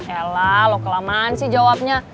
ella lo kelamaan sih jawabnya